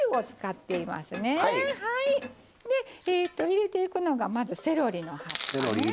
入れていくのがまずセロリの葉っぱね。